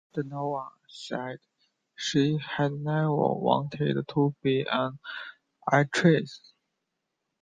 Donovan said she had never wanted to be an actress.